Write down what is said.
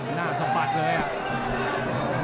หน้าสมบัติเลยอ่ะ